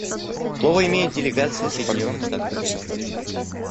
Слово имеет делегация Соединенных Штатов Америки.